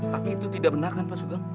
tapi itu tidak benar kan pak sugeng